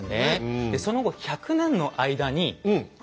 でその後１００年の間に。